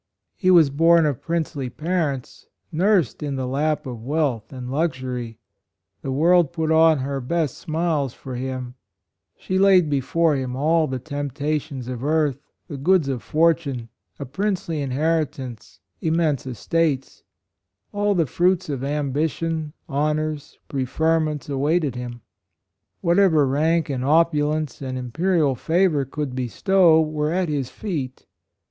He was born of princely parents ; nursed in the lap of wealth and luxury ; the world put on her best smiles for him ; she laid before him all the temptations of earth — the goods of fortune — a princely inheritance — immense es 148 HIS HAPPY DEATH tates. All the fruits of ambition, honors, preferments awaited him. Whatever rank and opulence and imperial favor could bestow, were at his feet.